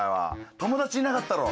友達いなかったろ？